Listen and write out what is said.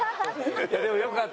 でもよかった。